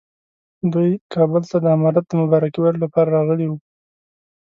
دوی کابل ته د امارت د مبارکۍ ویلو لپاره راغلي وو.